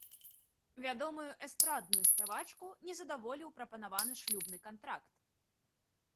Вядомую эстрадную спявачку не задаволіў прапанаваны шлюбны кантракт.